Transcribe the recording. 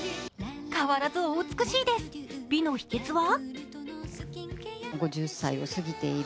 変わらずお美しいです、美の秘訣は？